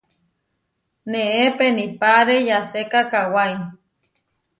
Neé penipáre yaséka kawái.